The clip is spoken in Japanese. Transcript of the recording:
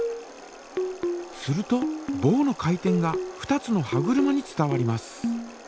するとぼうの回転が２つの歯車に伝わります。